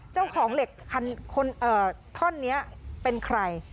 เจ้าของเหล็กท่อนนี้เป็นใคร